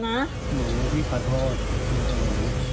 หนูพี่ขอโทษ